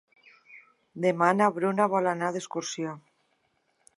Demà na Bruna vol anar d'excursió.